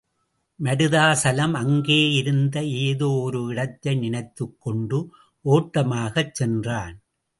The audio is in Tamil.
மருதாசலம் அங்கே இருந்த ஏதோ ஒரு இடத்தை நினைத்துக்கொண்டு ஓட்டமாகச் சென்றான்.